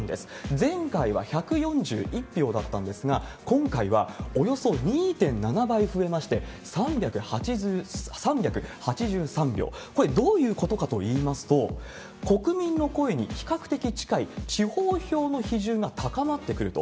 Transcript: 前回は１４１票だったんですが、今回はおよそ２．７倍増えまして、３８３票、これ、どういうことかといいますと、国民の声に比較的近い地方票の比重が高まってくると。